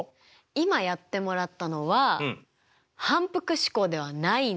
今やってもらったのは反復試行ではないんです。